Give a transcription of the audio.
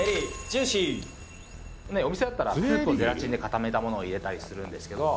「お店だったらスープをゼラチンで固めたものを入れたりするんですけど」